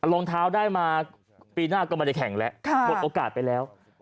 รองเท้าได้มาปีหน้าก็ไม่ได้แข่งแล้วหมดโอกาสไปแล้ว